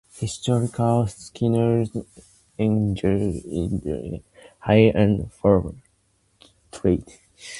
Historically, skinners engaged in the hide and fur trades.